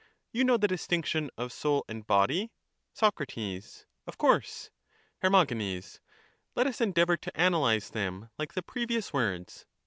You know the distinction of soul and body? Soc. Of course. Her. Let us endeavour to analyze them like the previous words.